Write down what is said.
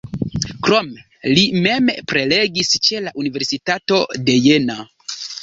Krome li mem prelegis ĉe la Universitato de Jena.